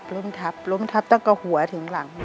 รถมันทับรถมันทับรถมันทับต้องก็หัวถึงหลัง